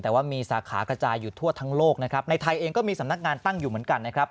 แต่ว่ามีสาขากระจายอยู่ทั่วทั้งโลกนะครับในไทยเองก็มีสำนักงานตั้งอยู่เหมือนกันนะครับ